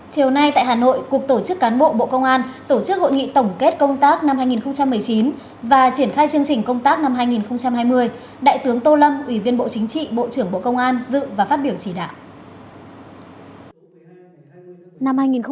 chiều nay tại hà nội cục tổ chức cán bộ bộ công an tổ chức hội nghị tổng kết công tác năm hai nghìn một mươi chín và triển khai chương trình công tác năm hai nghìn hai mươi đại tướng tô lâm ủy viên bộ chính trị bộ trưởng bộ công an dự và phát biểu chỉ đạo